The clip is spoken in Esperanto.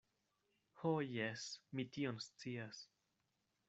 Ho, jes, mi tion scias.